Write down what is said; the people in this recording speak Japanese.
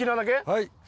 はい。